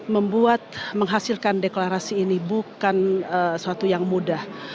membuat menghasilkan deklarasi ini bukan sesuatu yang mudah